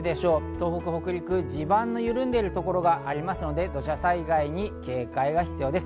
東北、北陸、地盤の緩んでいるところがありますので、土砂災害に警戒が必要です。